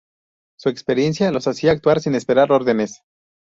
Su experiencia los hacía actuar sin esperar órdenes.